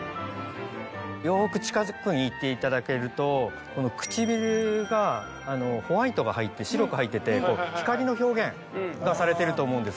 よく近くに行っていただけるとこの唇がホワイトが入って白く入ってて光の表現がされてると思うんですよ。